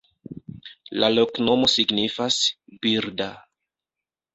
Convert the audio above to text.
La loknomo signifas: birda.